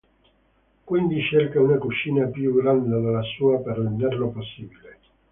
Quindi cerca una cucina più grande della sua per renderlo possibile.